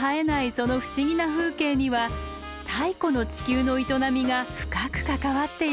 その不思議な風景には太古の地球の営みが深く関わっているんだとか。